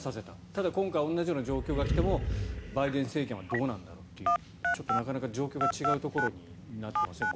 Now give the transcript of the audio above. ただ、今回同じような状況が来てもバイデン政権はどうなんだろうというちょっとなかなか状況が違うところになっていますね。